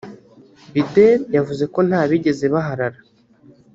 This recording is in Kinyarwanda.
Bideri yavuze ko ntabigeze baharara